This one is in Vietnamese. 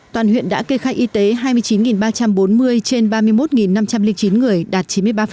toàn huyện đã kê khai y tế hai mươi chín ba trăm bốn mươi trên ba mươi một năm trăm linh chín người đạt chín mươi ba